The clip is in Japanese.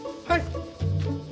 はい。